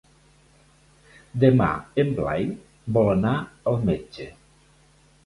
Demà en Blai vol anar al metge.